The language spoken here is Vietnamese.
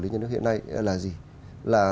lý nhân nước hiện nay là gì là